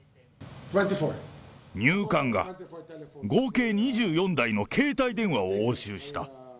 入管が、合計２４台の携帯電話を押収した。